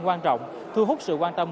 quan trọng thu hút sự quan tâm